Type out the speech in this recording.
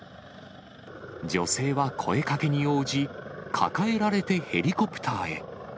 女性は声かけに応じ、抱えられてヘリコプターへ。